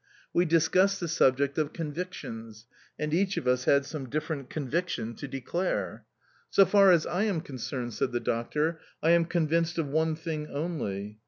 We discussed the subject of convictions, and each of us had some different conviction to declare. "So far as I am concerned," said the doctor, "I am convinced of one thing only"...